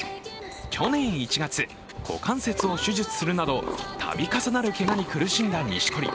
去年１月、股関節を手術するなど度重なるけがに苦しんだ錦織。